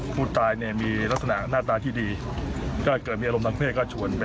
ผู้ตายเนี่ยมีลักษณะหน้าตาที่ดีก็เกิดมีอารมณ์ทางเพศก็ชวนไป